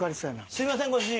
すみませんご主人。